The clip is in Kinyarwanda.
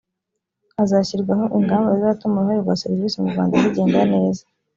hazashyirwaho ingamba zizatuma uruhare rwa serivisi mu rwanda zigenda neza